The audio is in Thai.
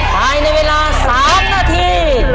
ภายในเวลา๓นาที